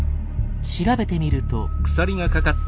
調べてみると。